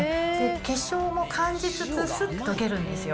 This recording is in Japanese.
結晶も感じつつ、すっと溶けるんですよ。